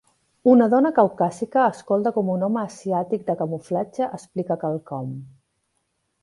Una dona caucàsica escolta com un home asiàtic de camuflatge explica quelcom